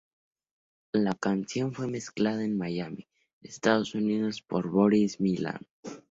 La canción fue mezclada en Miami, Estados Unidos por Boris Milan.